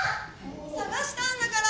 捜したんだから。